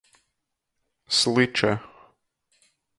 Sliče.